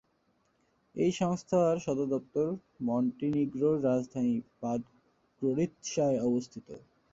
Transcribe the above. এই সংস্থার সদর দপ্তর মন্টিনিগ্রোর রাজধানী পাডগোরিৎসায় অবস্থিত।